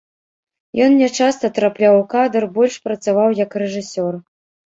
Ён нячаста трапляў у кадр, больш працаваў як рэжысёр.